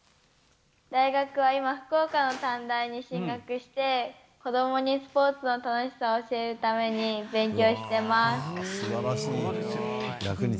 大学は今、福岡の短大に進学して、子どもにスポーツの楽しさを教えるために勉強してます。